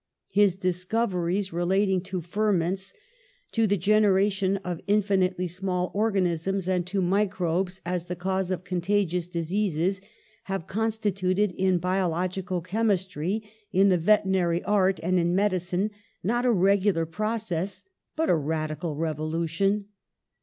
His discoveries relating to ferments, to the generation of infinitely small organisms, and to microbes as the cause of contagious dis eases have constituted, in biological chemistry, in the veterinary art and in medicine, not a regular process, but a radical revolution.